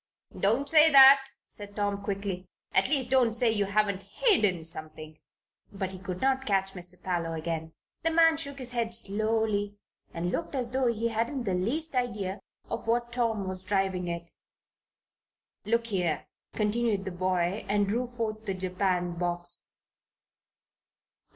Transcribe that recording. "Don't say that," said Tom, quickly. "At least, don't say you haven't hidden something." But he could not catch Mr. Parloe again. The man shook his head slowly and looked as though he hadn't the least idea of what Tom was driving at. "Look here," continued the boy, and drew forth the japanned box.